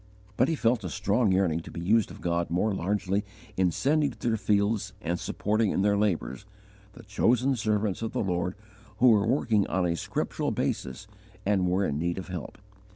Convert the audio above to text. But he felt a strong yearning to be used of God more largely in sending to their fields and supporting in their labours, the chosen servants of the Lord who were working on a scriptural basis and were in need of help.